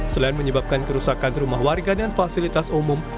selain menyebabkan kerusakan rumah warga dan fasilitas umum